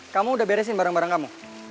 kamu udah beresin barang barang kamu